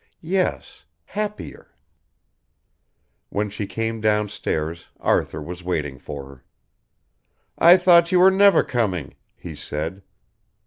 Yes, happier When she came downstairs Arthur was waiting for her. "I thought you were never coming," he said.